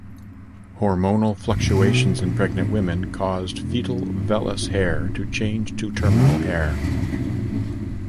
Hormonal fluctuations in pregnant women cause foetal vellus hair to change to terminal hair.